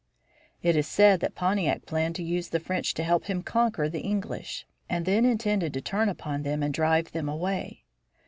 It is said that Pontiac planned to use the French to help him conquer the English, and then intended to turn upon them and drive them away.